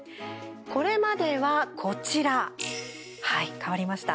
これまでは、こちらはい、変わりました。